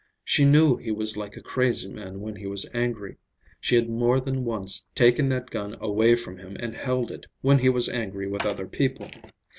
She knew he was like a crazy man when he was angry. She had more than once taken that gun away from him and held it, when he was angry with other people.